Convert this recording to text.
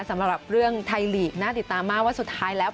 สำหรับเรื่องไทยลีกน่าติดตามมากว่าสุดท้ายแล้ว